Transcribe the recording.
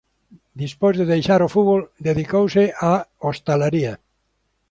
Despois de deixar o fútbol dedicouse á hostalaría.